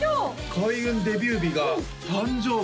開運デビュー日が誕生日？